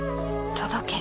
届け。